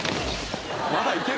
「まだいける！